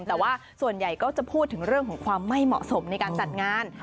แต่ว่าส่วนใหญ่ก็จะพูดถึงเรื่องของความไม่เหมาะสมในการจัดงาน